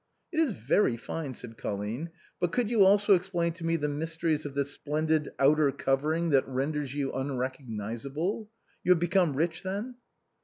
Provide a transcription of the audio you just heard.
" It is very fine," said Colline ;" but could you also explain to me the mysteries of this splendid outer covering that renders you unrecognizable? You have become rich, then?"